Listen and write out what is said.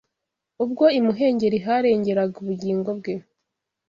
ubwo imuhengeri harengeraga ubugingo bwe